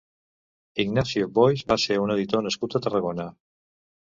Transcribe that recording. Ignacio Boix va ser un editor nascut a Tarragona.